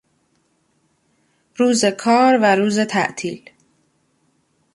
روز کار و روز تعطیل